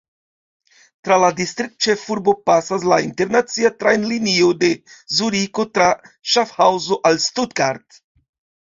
Tra la distriktĉefurbo pasas la internacia trajnlinio de Zuriko tra Ŝafhaŭzo al Stuttgart.